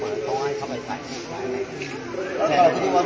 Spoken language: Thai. สวัสดีครับพี่เบนสวัสดีครับ